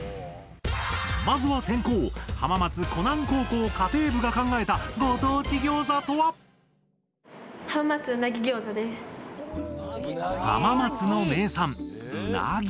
まずは先攻浜松湖南高校家庭部が考えた浜松の名産